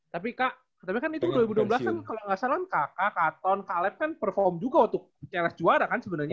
tapi kak tapi kan itu dua ribu enam belas kan kalo gak salah kakak kak ton kak alef kan perform juga waktu cls juara kan sebenernya